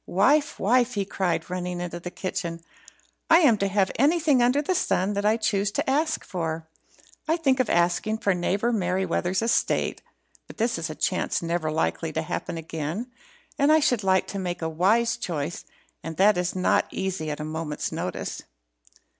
Wife! wife!" he cried, running into the kitchen, "I am to have anything under the sun that I choose to ask for. I think of asking for neighbour Merryweather's estate, but this is a chance never likely to happen again, and I should like to make a wise choice, and that is not easy at a moment's notice."